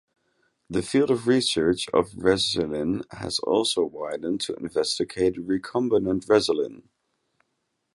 The field of research of Resilin has also widened to investigate recombinant resilin.